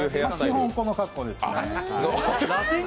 基本、この格好ですね。